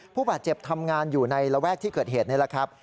ผู้บาดเจ็บทำงานอยู่ในระแวกที่เกิดเหตุนี่แหละครับ